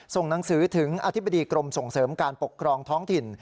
ส่งหนังสือถึงอธิบดีกรมส่งเสริมการปกครองท้องถิ่น